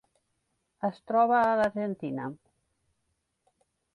Es troba a l'Argentina.